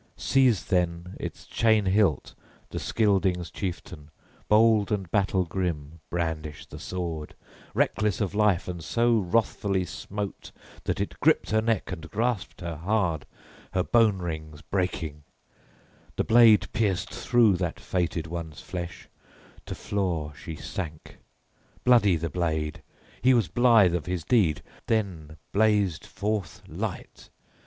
Seized then its chain hilt the Scyldings' chieftain, bold and battle grim, brandished the sword, reckless of life, and so wrathfully smote that it gripped her neck and grasped her hard, her bone rings breaking: the blade pierced through that fated one's flesh: to floor she sank. Bloody the blade: he was blithe of his deed. Then blazed forth light.